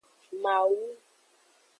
Mawu.